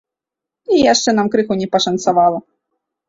І яшчэ нам крыху не пашанцавала.